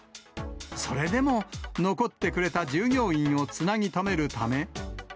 それでも残ってくれた従業員をつなぎとめるため。